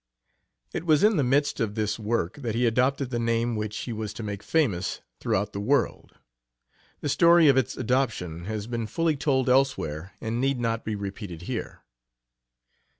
It was in the midst of this work that he adopted the name which he was to make famous throughout the world. The story of its adoption has been fully told elsewhere and need not be repeated here.